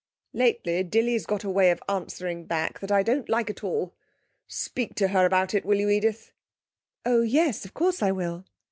Lately Dilly's got a way of answering back that I don't like at all. Speak to her about it, will you, Edith?' 'Oh yes, of course I will.'